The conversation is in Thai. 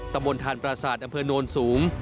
ตะมนต์ธานปราสาทอำเภอโนลสูง